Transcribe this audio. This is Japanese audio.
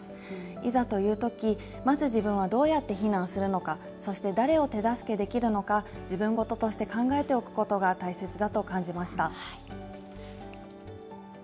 いざというとき、まず自分はどうやって避難するのか、そして誰を手助けできるのか、自分事として考えておくことが大切だと感じました。